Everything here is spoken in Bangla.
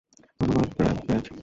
ধন্যবাদ, ব্র্যায!